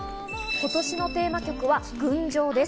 今年のテーマ曲は『群青』です。